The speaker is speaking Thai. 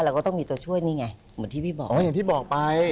เราก็ต้องมีตัวช่วยนี่ไงเหมือนที่พี่บอก